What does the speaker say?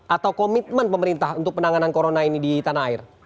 atau komitmen pemerintah untuk penanganan corona ini di tanah air